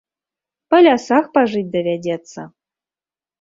Па лясах пажыць давядзецца.